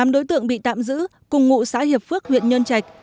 tám đối tượng bị tạm giữ cùng ngụ xã hiệp phước huyện nhơn trạch